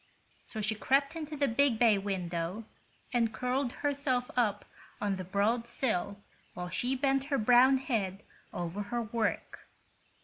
So she crept into the big bay window and curled herself up on the broad sill while she bent her brown head over her work.